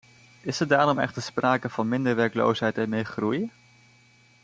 Is er daarom echter sprake van minder werkloosheid en meer groei?